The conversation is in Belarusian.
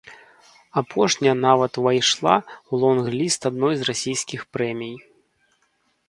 Апошняя нават увайшла ў лонг-ліст адной з расійскіх прэмій.